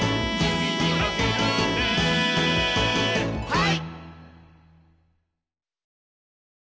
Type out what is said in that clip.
はい！